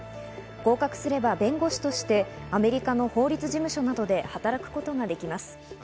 合格すれば弁護士としてアメリカの法律事務所などで働くことができます。